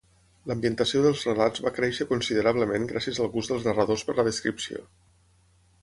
L'ambientació dels relats va créixer considerablement gràcies al gust dels narradors per la descripció.